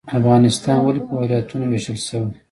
افغانستان ولې په ولایتونو ویشل شوی؟